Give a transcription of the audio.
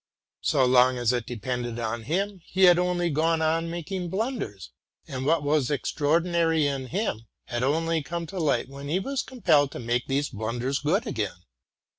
So long as it depended on himself, he had only gone on making blun ders, and what was extraordinary in him had only come to light when he was compelled to make these blunders good again.